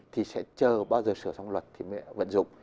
thì sẽ chờ bao giờ sửa xong luật thì mới vận dụng